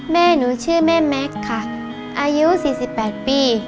แม่หนูชื่อแม่แม็กซ์ค่ะอายุ๔๘ปี